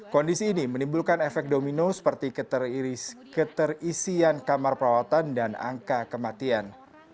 kondisi ini menimbulkan efek domino seperti keterisian kamar perawatan dan angka kematian